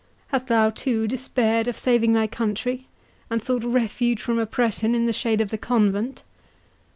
—hast thou too despaired of saving thy country, and sought refuge from oppression in the shade of the convent?"